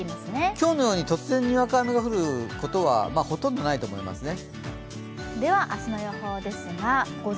今日のように突然、にわか雨が降ることはほとんどないと思いますね。